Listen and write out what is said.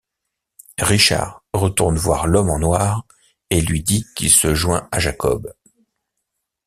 Richard retourne voir l'homme en noir et lui dit qu'il se joint à Jacob.